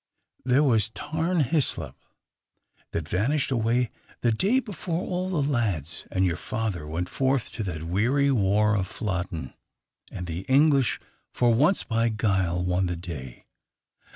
There was Tarn Hislop, that vanished away the day before all the lads and your own father went forth to that weary war at Flodden, and the English, for once, by guile, won the day.